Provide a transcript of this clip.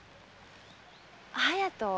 隼人